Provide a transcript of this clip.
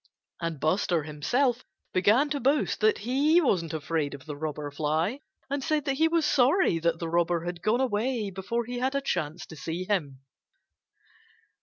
And Buster himself began to boast that he wasn't afraid of the Robber Fly and said that he was sorry that the Robber had gone away before he had had a chance to see him.